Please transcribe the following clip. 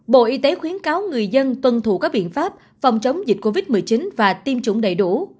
bộ y tế khuyến cáo người dân tuân thủ các biện pháp phòng chống dịch covid một mươi chín và tiêm chủng đầy đủ